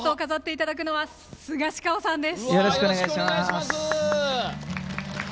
ラストを飾っていただくのはスガシカオさんです。